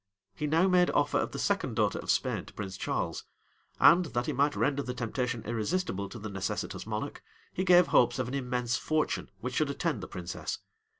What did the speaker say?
He now made offer of the second daughter of Spain to Prince Charles; and, that he might render the temptation irresistible to the necessitous monarch, he gave hopes of an immense fortune, which should attend the princess.